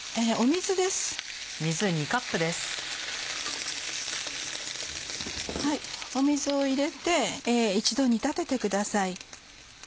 水を入れて一度煮立ててください。